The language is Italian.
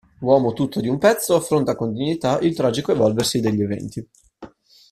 Uomo tutto di un pezzo, affronta con dignità il tragico evolversi degli eventi.